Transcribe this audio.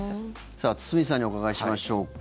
さあ、堤さんにお伺いしましょうか。